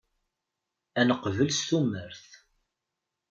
Ad neqbel s tumert.